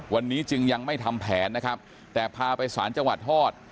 วันนี้จึงยังไม่ทำแผนนะครับแต่พาไปสารจังหวัดฮอด